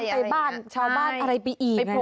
ไปบ้านชาวบ้านอะไรไปอีก